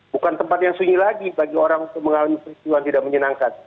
bukan tempat yang sunyi lagi bagi orang untuk mengalami peristiwa yang tidak menyenangkan